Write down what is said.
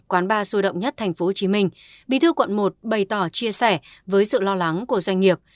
quán ba sôi động nhất tp hcm bí thư quận một bày tỏ chia sẻ với sự lo lắng của doanh nghiệp